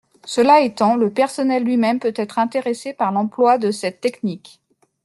Cela étant, le personnel lui-même peut être intéressé par l’emploi de cette technique.